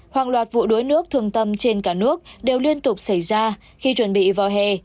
hàng loạt vụ đuối nước thường tâm trên cả nước đều liên tục xảy ra khi chuẩn bị vào hè